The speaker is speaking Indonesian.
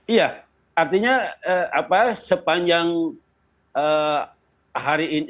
iya artinya sepanjang hari ini